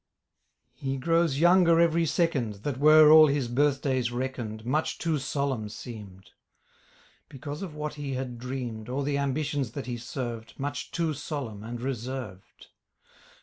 _ 'He grows younger every second That were all his birthdays reckoned Much too solemn seemed; Because of what he had dreamed, Or the ambitions that he served, Much too solemn and reserved.